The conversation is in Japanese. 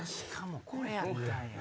これやったんや。